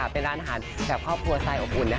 เป็นร้านอาหารแบบครอบครัวทรายอบอุ่น